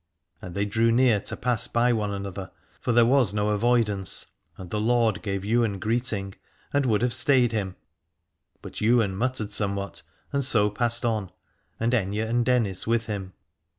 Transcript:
And they drew near to pass by one another, for there was no avoidance : and the lord gave Ywain greeting and would have stayed him, but Ywain muttered somewhat and so passed on, and Aithne and Dennis with him.